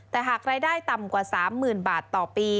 แต่หากรายได้ต่ำกว่า๓๐๐๐บาทต่อปี